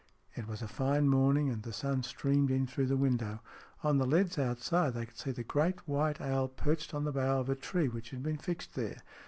It was a fine morning, and the sun streamed in through the window. On the leads outside they could see the great white owl perched on the bough of a tree which had been fixed there.